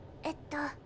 えっと。